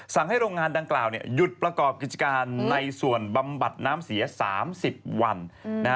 ให้โรงงานดังกล่าวหยุดประกอบกิจการในส่วนบำบัดน้ำเสีย๓๐วัน